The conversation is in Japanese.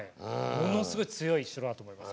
ものすごい強い城だと思います。